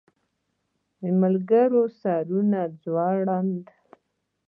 ملګرو سرونه ځړېدل.